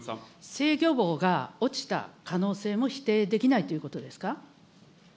制御棒が落ちた可能性も否定できないということですか。